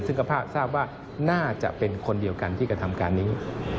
ซึ่งก็ทราบว่าน่าจะเป็นคนเดียวกันที่กระทำการนี้